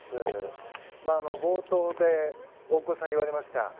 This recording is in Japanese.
冒頭で大越さんが言われました